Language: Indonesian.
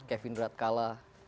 kevin rudd kalah